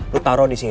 lu taruh di sini